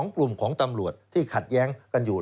กลุ่มของตำรวจที่ขัดแย้งกันอยู่